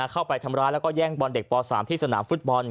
เข้าไปทำร้ายแล้วก็แย่งบอลเด็กป๓ที่สนามฟุตบอล